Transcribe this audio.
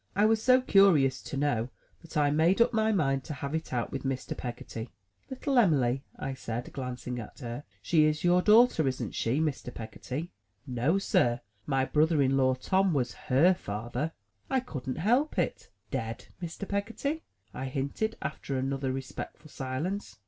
I was so curious to know, that I made up my mind to have it out with Mr. Peggotty. "Little Em'ly," I said, glancing at her. "She is your daughter, isn't she, Mr. Peggotty?" 105 MY BOOK HOUSE "No, Sir. My brother in law Tom, was her father." I couldn't help it. "—Dead, Mr. Peggotty?'' I hinted, after another respectful silence.